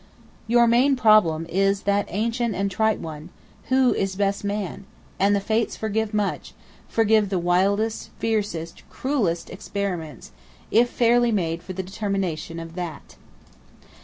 Your main problem is that ancient and trite one, 'Who is best man?' and the Fates forgive much, forgive the wildest, fiercest, cruelest experiments, if fairly made for the determination of that.